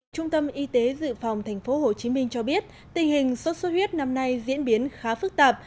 trung tâm y tế dự phòng tp hcm cho biết tình hình sốt xuất huyết năm nay diễn biến khá phức tạp